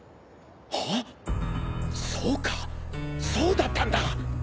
そうかそうだったんだ！